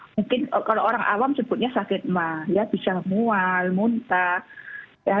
mungkin kalau orang awam sebutnya sakit mah ya bisa mual muntah